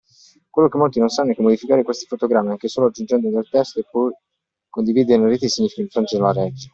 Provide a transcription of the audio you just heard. Quello che molti non sanno è che modificare questi fotogrammi, anche solo aggiungendo del testo, e poi condividerle in rete significa infrangere la legge.